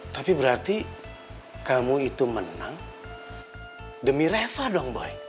tapi berarti kamu itu menang demi reva dong baik